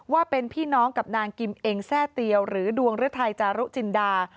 ว่าเป็นพี่น้องกับนางกิมเองแทร่เตียวหรือดวงฤทัยจารุจินดา